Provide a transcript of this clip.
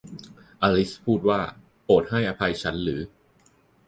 อลิซพูดว่า โปรดให้อภัยฉันหรือ